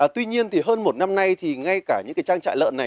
tuy nhiên hơn một năm nay ngay cả những trang trại lợn này